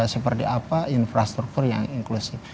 seperti apa infrastruktur yang inklusif